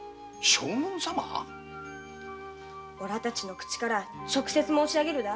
おらたちの口から直接申しあげるだ。